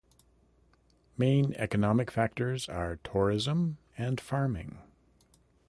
Main economic factors are tourism and farming.